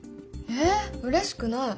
えうれしくない。